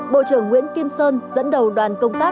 bộ trưởng nguyễn kim sơn dẫn đầu đoàn công tác